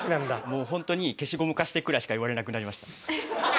もうホントに「消しゴム貸して」くらいしか言われなくなりました。